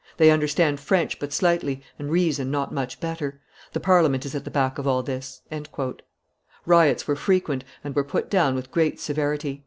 They understand French but slightly, and reason not much better. The Parliament is at the back of all this." Riots were frequent, and were put down with great severity.